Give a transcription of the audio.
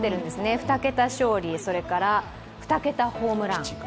２桁勝利それから、２桁ホームラン。